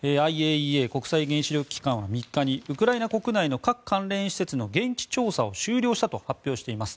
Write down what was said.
ＩＡＥＡ・国際原子力機関は３日にウクライナ国内の核関連施設の現地調査を終了したと発表しています。